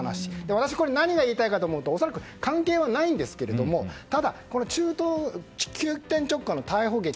私、これ何が言いたいかというと恐らく、関係はないんですけどもただ、急転直下の逮捕劇